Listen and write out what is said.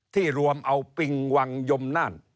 ที่รวมเอาปิงวังยมน่าน